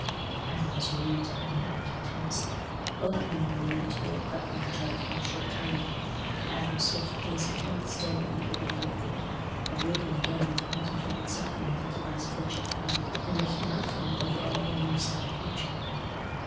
Adam was relieved to have an active task—both of them were relieved to be apart from each other for a short time. But Adam's swift pace could not still the eager pain of thinking—of living again with concentrated suffering through the last wretched hour, and looking out from it over all the new sad future.